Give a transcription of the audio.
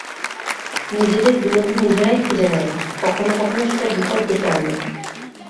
নিজেদের বিনোদন নিজেরাই খুঁজে নেয়, কখনো কখনো সেটা বিপদ ডেকে আনে।